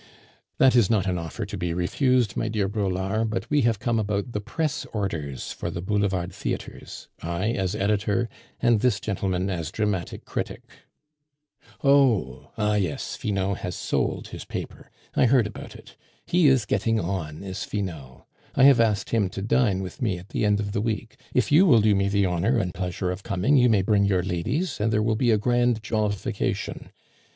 "That is not an offer to be refused, my dear Braulard, but we have come about the press orders for the Boulevard theatres I as editor, and this gentleman as dramatic critic." "Oh! ah, yes! Finot has sold his paper. I heard about it. He is getting on, is Finot. I have asked him to dine with me at the end of the week; if you will do me the honor and pleasure of coming, you may bring your ladies, and there will be a grand jollification.